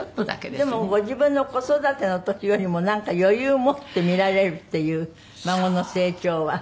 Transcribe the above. でもご自分の子育ての時よりもなんか余裕を持って見られるっていう孫の成長は。